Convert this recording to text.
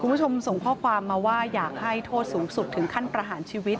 คุณผู้ชมส่งข้อความมาว่าอยากให้โทษสูงสุดถึงขั้นประหารชีวิต